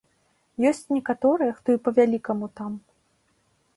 Ёсць некаторыя, хто і па-вялікаму там.